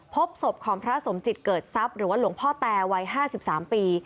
พบศพของพระสมจิตเกิดทรัพย์หรือว่าหลวงพ่อแตวัย๕๓ปี